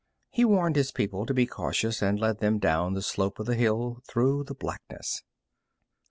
He warned his people to be cautious, and led them down the slope of the hill through the blackness.